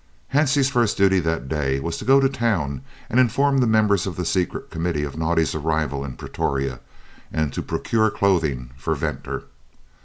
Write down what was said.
Hansie's first duty that day was to go to town and inform the members of the Secret Committee of Naudé's arrival in Pretoria, and to procure clothing for Venter.